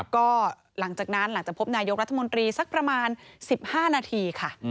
ก็หลังจากนั้นหลังจากพบนายกรัฐมนตรีสักประมาณ๑๕นาทีค่ะ